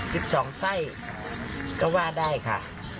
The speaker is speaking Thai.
สิบสองไส้ก็ว่าได้ค่ะ